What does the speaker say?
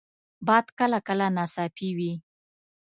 باد کله کله ناڅاپي وي